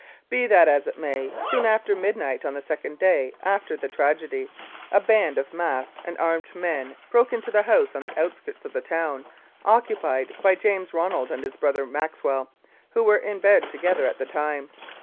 Be that as it may, soon after midnight on the second day after the tragedy a band of masked and armed men broke into the house on the outskirts of the town occupied by James Ronald and his brother Maxwell, who were in bed together at the time.